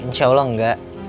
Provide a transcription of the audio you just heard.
insya allah enggak